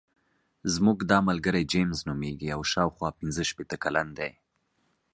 زموږ دا ملګری جیمز نومېږي او شاوخوا پنځه شپېته کلن دی.